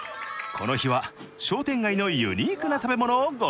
この日は商店街のユニークな食べ物をご紹介。